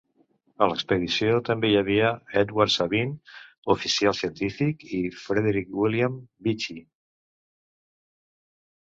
A l'expedició també hi havia Edward Sabine, oficial científic, i Frederick William Beechy.